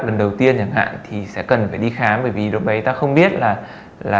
lần đầu tiên chẳng hạn thì sẽ cần phải đi khám bởi vì lúc đấy ta không biết là